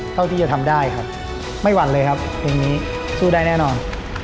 เท่าที่จะทำได้ครับไม่หวั่นเลยครับเพลงนี้สู้ได้แน่นอน